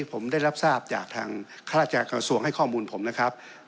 ผมได้รับทราบจากทางข้าราชการกระทรวงให้ข้อมูลผมนะครับ